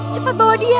cepat bawa dia